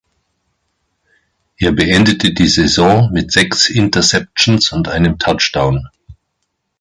Er beendete die Saison mit sechs Interceptions und einem Touchdown.